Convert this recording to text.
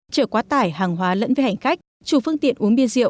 chở quá tải hàng hóa lẫn với hành khách chủ phương tiện uống bia rượu